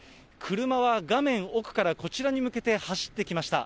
車は画面奥からこちらに向けて走ってきました。